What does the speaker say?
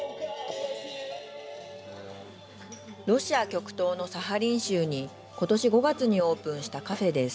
ロシア極東のサハリン州にことし５月にオープンしたカフェです。